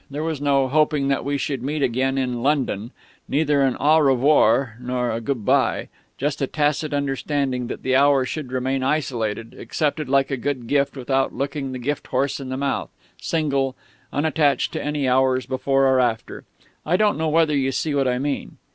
There was no 'hoping that we should meet again in London' neither an au revoir nor a good bye just a tacit understanding that that hour should remain isolated, accepted like a good gift without looking the gift horse in the mouth, single, unattached to any hours before or after I don't know whether you see what I mean....